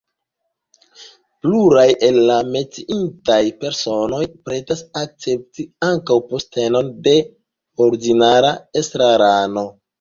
Pluraj el la menciitaj personoj pretas akcepti ankaŭ postenon de ordinara estrarano.